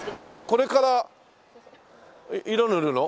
これから色塗るの？